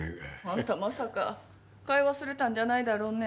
あんたまさか買い忘れたんじゃないだろうね？